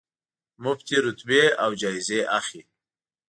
مفتې رتبې او جایزې اخلي.